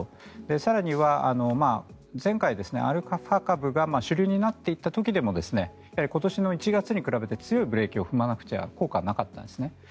更には前回、アルファ株が主流になっていた時でも今年の１月に比べて強いブレーキを踏まなくては効果はなかったんですね。